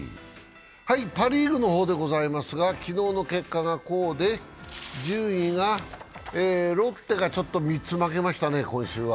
パ・リーグの方でございますが、昨日の結果がこうで、順位がロッテがちょっと３つ負けましたね、今週は。